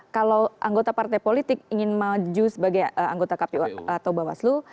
kalau anggota partai politik ingin maju sebagai anggota kpu atau bawaslu